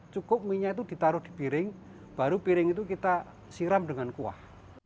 cukup mie nya itu ditaruh di piring baru piring itu kita siram dengan kuah